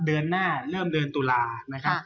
เดินหน้าเริ่มเดินตุลานะคะ